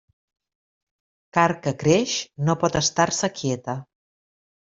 Carn que creix, no pot estar-se quieta.